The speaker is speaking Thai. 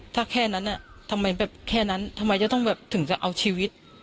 ถ้าแค่นั้นทำไมถึงจะเอาชีวิต